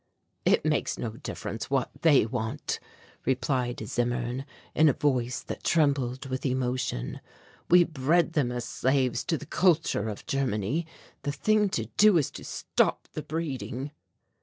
"It makes no difference what they want," replied Zimmern, in a voice that trembled with emotion; "we bred them as slaves to the kultur of Germany, the thing to do is to stop the breeding."